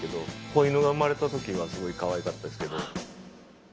子イヌが生まれた時はすごいかわいかったですけど。